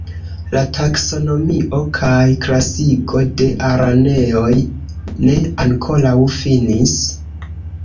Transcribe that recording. La taksonomio kaj klasigo de araneoj ne ankoraŭ finis.